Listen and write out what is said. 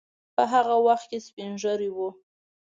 په هغه وخت کې سپین ږیری وو.